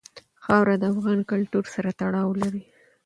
خاوره د افغان کلتور سره تړاو لري.